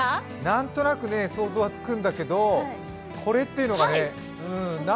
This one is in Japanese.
何となく想像はつくんだけど、これというのがね。